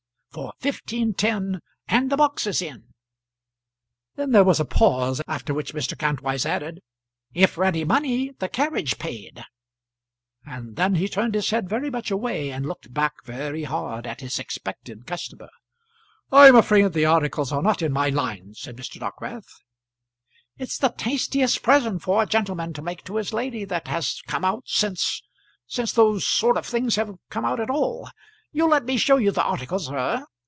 For fifteen ten and the boxes in." Then there was a pause, after which Mr. Kantwise added "If ready money, the carriage paid." And then he turned his head very much away, and looked back very hard at his expected customer. "I'm afraid the articles are not in my line," said Mr. Dockwrath. "It's the tastiest present for a gentleman to make to his lady that has come out since since those sort of things have come out at all. You'll let me show you the articles, sir.